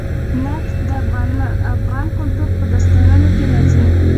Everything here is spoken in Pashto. نفت د افغان کلتور په داستانونو کې راځي.